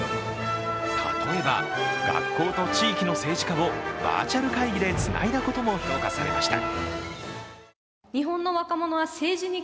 例えば学校と地域の政治家をバーチャル会議でつないだことも評価されました。